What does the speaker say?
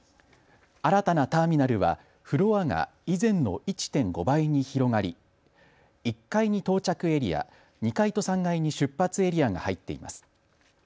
新たなターミナルはフロアが以前の１．５倍に広がり１階に到着エリア、２階と３階に出発エリアが入っています。